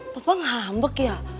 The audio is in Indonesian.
papa ngambek ya